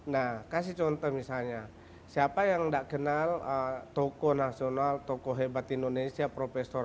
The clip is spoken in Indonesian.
nah kasih contoh misalnya siapa yang tidak kenal tokoh nasional tokoh hebat indonesia profesor